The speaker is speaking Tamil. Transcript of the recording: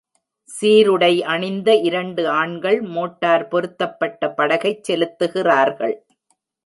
சீருடை அணிந்த இரண்டு ஆண்கள் மோட்டார் பொருத்தப்பட்ட படகைச் செலுத்துகிறார்கள்.